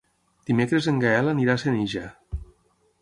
Dimecres en Gaël anirà a Senija.